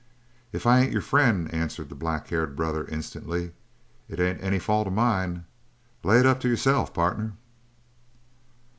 "If I ain't your friend," answered the black haired brother instantly, "it ain't any fault of mine. Lay it up to yourself, partner!"